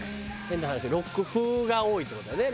変な話ロック風が多いって事だね。